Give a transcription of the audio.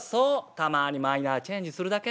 たまにマイナーチェンジするだけ。